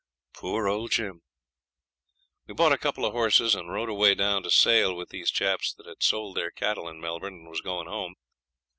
Poor old Jim! We bought a couple of horses, and rode away down to Sale with these chaps that had sold their cattle in Melbourne and was going home.